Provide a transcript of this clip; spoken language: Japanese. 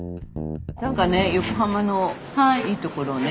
何かね横浜のいい所をね。